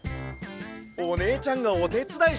おねえちゃんがおてつだいしてくれるんだね！